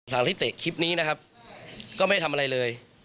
หลังที่เตะคลิปนี้นะครับก็ไม่ได้ทำอะไรเลย